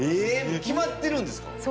え決まってるんですか。